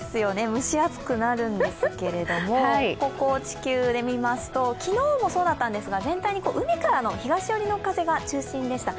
蒸し暑くなるんですけれども、地球で見ますと昨日もそうだったんですが全体に海からの東寄りの風が中心でした。